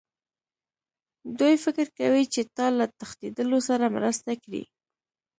دوی فکر کوي چې تا له تښتېدلو سره مرسته کړې